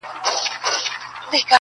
پر حلال حرام یې مه کيږه راوړه یې,